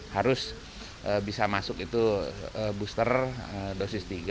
harus bisa masuk itu booster dosis tiga